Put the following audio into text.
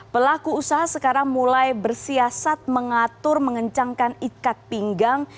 pelaku usaha sekarang mulai bersiasat mengatur mengencangkan ikat pinggang